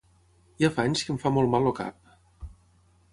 Ja fa anys que em fa molt mal el cap.